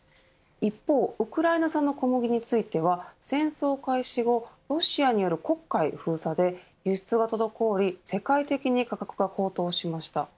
一方、ウクライナ産の小麦については、戦争開始後ロシアによる黒海封鎖で輸出が滞り世界的に価格が高騰しました。